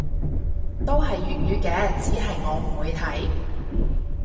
都係粵語嘅，只係我唔會睇